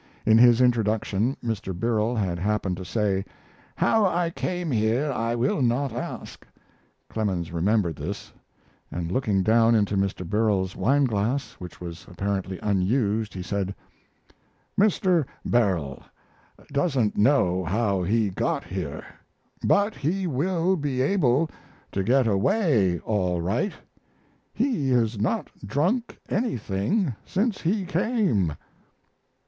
In his introduction Mr. Birrell had happened to say, "How I came here I will not ask!" Clemens remembered this, and looking down into Mr. Birrell's wine glass, which was apparently unused, he said: "Mr. Birrell doesn't know how he got here. But he will be able to get away all right he has not drunk anything since he came."